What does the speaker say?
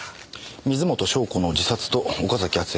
水元湘子の自殺と岡崎敦也の転落死